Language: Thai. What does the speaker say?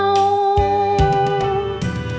จูบลูกหลายเท่าโยม